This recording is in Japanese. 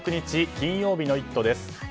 金曜日の「イット！」です。